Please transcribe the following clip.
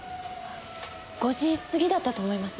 ５時過ぎだったと思います。